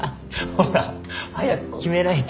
ほら早く決めないと。